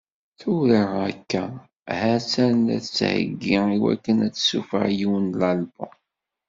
Tura akka, ha-tt-an la tettheggi i wakken ad tessufeɣ yiwen n album.